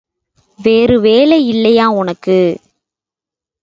வேறு வேலை இல்லையா உனக்கு?